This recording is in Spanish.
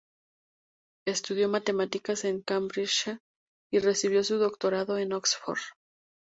Estudió matemáticas en Cambridge y recibió su doctorado en Oxford.